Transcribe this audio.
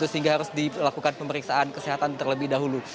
sehingga harus dilakukan pemeriksaan kesehatan terlebih dahulu